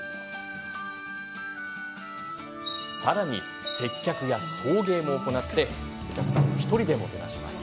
さらに、接客や送迎も行ってお客さんを１人で、もてなします。